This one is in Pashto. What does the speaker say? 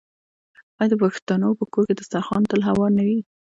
آیا د پښتنو په کور کې دسترخان تل هوار نه وي؟